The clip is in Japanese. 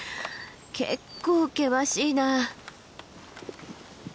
結構険しいな。